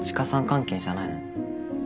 関係じゃないの？